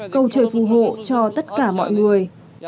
cầu trời phù hộ cho tất cả mọi người